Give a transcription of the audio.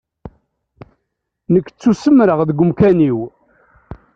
Nekk ttusemreɣ deg umkan-iw.